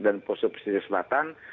dan pusuh pesisir sebatang